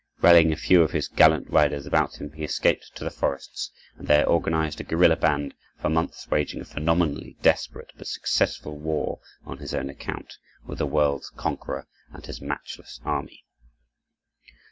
Rallying a few of his gallant riders about him, he escaped to the forests, and there organized a guerrilla band, for months waging a phenomenally desperate but successful war on his own account with the world's conqueror and his matchless army.